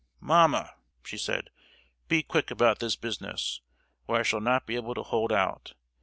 "Mamma!" she said, "be quick about this business, or I shall not be able to hold out.